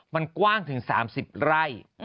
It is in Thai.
มันกว้างถึง๓๐ไร่